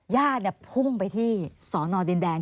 ญาติพุ่งไปที่สอนอดินแดง